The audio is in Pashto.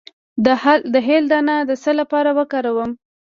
د هل دانه د څه لپاره وکاروم؟